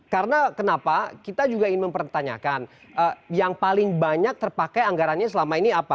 karena kenapa kita juga ingin mempertanyakan yang paling banyak terpakai anggarannya selama ini apa